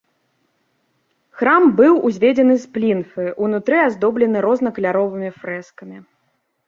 Храм быў узведзены з плінфы, унутры аздоблены рознакаляровымі фрэскамі.